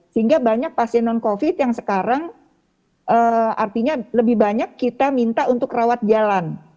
sehingga banyak pasien non covid yang sekarang artinya lebih banyak kita minta untuk rawat jalan